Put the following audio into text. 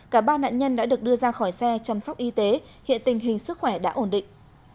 cả ba nạn nhân đã được đưa ra khỏi xe chăm sóc y tế hiện tình hình sức khỏe đã ổn định